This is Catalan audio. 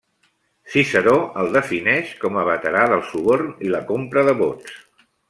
Ciceró el defineix com a veterà del suborn i la compra de vots.